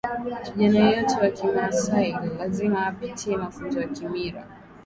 kijana yeyote wa kimaasai lazima apitie mafunzo ya kimira